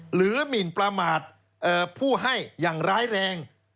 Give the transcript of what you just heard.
หรือมีนปลาหมาดผู้ให้อย่างร้ายแรง